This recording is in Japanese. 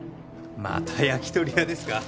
また焼き鳥屋ですか？